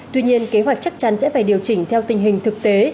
tuy nhiên kế hoạch chắc chắn sẽ phải điều chỉnh theo tình hình thực tế